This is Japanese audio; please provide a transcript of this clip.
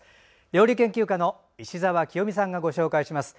料理研究家の石澤清美さんがご紹介します。